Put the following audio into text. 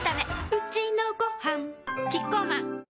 うちのごはんキッコーマン